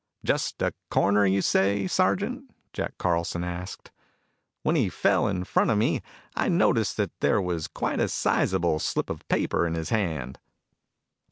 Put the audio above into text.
"Just a corner, you say, Sergeant?" Jack Carlson asked. "When he fell in front of me, I noticed that there was quite a sizable slip of paper in his hand."